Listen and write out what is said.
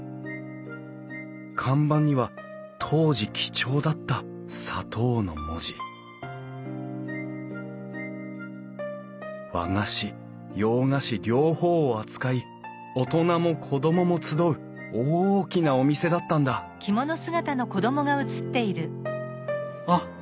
看板には当時貴重だった砂糖の文字和菓子洋菓子両方を扱い大人も子供も集う大きなお店だったんだあっ